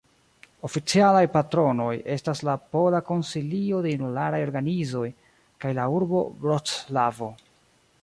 Oficialaj patronoj estas la Pola Konsilio de Junularaj Organizoj kaj la urbo Vroclavo.